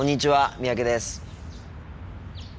三宅です。